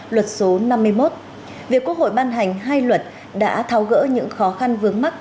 luật số năm mươi một việc quốc hội ban hành hai luật đã tháo gỡ những khó khăn vướng mắt